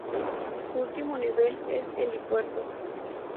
Su último nivel es helipuerto.